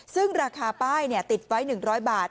ซึ่งราคาป้ายติดไว้๑๐๐บาท